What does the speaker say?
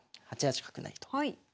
８八角成と。